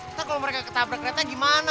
ntar kalau mereka ketabrak kereta gimana